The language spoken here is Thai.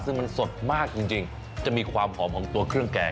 ซึ่งมันสดมากจริงจะมีความหอมของตัวเครื่องแกง